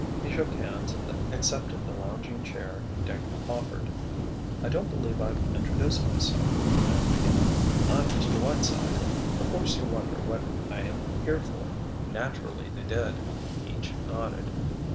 He shook hands and accepted the lounging chair Dick offered. "I don't believe I've introduced myself," the man began. "I'm Mr. Whiteside. Of course you wonder what I am here for." Naturally they did. Each nodded.